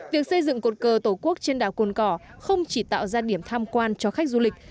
việc xây dựng cột cờ tổ quốc trên đảo cồn cỏ không chỉ tạo ra điểm tham quan cho khách du lịch